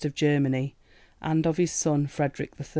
of Germany, and of his son Frederick III.